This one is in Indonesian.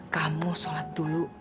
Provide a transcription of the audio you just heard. kamu sholat dulu